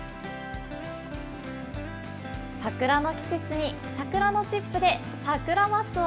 サクラの季節にサクラのチップでサクラマスを。